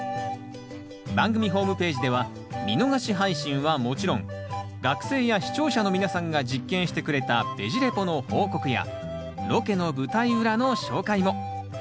番組ホームページでは見逃し配信はもちろん学生や視聴者の皆さんが実験してくれた「ベジ・レポ」の報告やロケの舞台裏の紹介も。